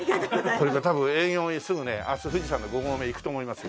これから多分営業にすぐね明日富士山の５合目行くと思いますよ。